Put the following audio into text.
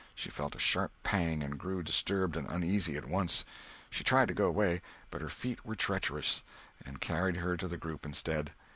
She felt a sharp pang and grew disturbed and uneasy at once. She tried to go away, but her feet were treacherous, and carried her to the group instead.